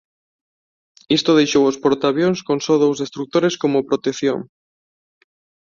Isto deixou ós portaavións con só dous destrutores como protección.